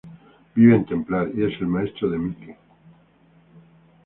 Vive en Templar y es el maestro de Mikey.